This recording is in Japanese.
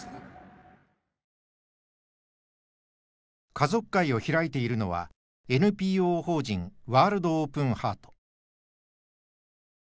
家族会を開いているのはＮＰＯ法人ワールドオープンハート。